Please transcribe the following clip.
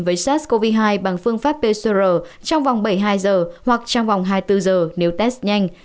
với sars cov hai bằng phương pháp pcr trong vòng bảy mươi hai giờ hoặc trong vòng hai mươi bốn giờ nếu test nhanh